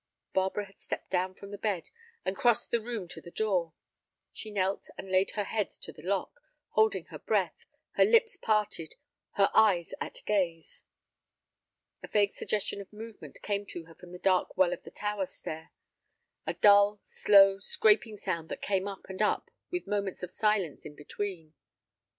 Barbara had stepped down from the bed and crossed the room to the door. She knelt and laid her ear to the lock, holding her breath, her lips parted, her eyes at gaze. A vague suggestion of movement came to her from the dark well of the tower stair—a dull, slow, scraping sound that came up and up with moments of silence in between.